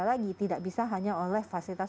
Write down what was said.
lagi tidak bisa hanya oleh fasilitas